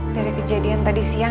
dari kejadian tadi siang